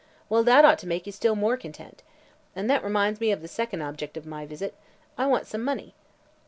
"Well, that ought to make you still more content. And that reminds me of the second object of my visit. I want some money."